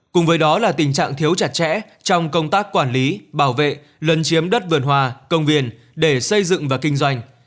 cùng với đó là tình trạng thiếu chặt chẽ trong công tác quản lý bảo vệ lấn chiếm đất vườn hòa công viên để xây dựng và kinh doanh